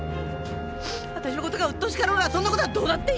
私の事がうっとうしかろうがそんな事はどうだっていいの！